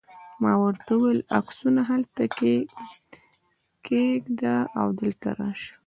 ما ورته وویل: عکسونه هلته کښېږده او دلته راشه.